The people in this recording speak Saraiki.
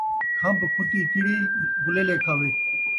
کھمب کھتّی چڑی ، غلیلے کھاوے